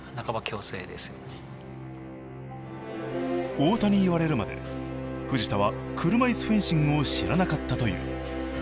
太田に言われるまで藤田は車いすフェンシングを知らなかったという。